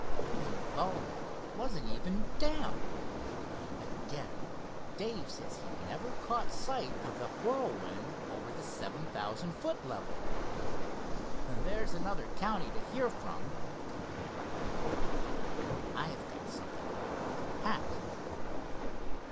And Valdec wasn't even damp! Again, Dave says he never caught sight of the Whirlwind over the 7,000 foot level. There's another county to hear from!" concluded Hiram, "and I've got something under my hat."